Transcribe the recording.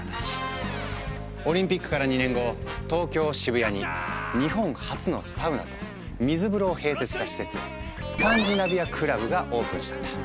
オリンピックから２年後東京・渋谷に日本初のサウナと水風呂を併設した施設「スカンジナビアクラブ」がオープンしたんだ。